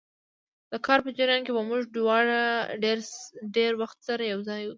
د کار په جریان کې به موږ دواړه ډېر وخت سره یو ځای وو.